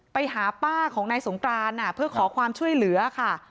ไปหาป้าของนายสงกรานเพื่อขอความช่วยเหลือค่ะ